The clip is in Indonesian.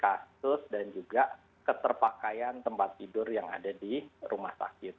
ada fakta kondisi kasus dan juga keterpakaian tempat tidur yang ada di rumah sakit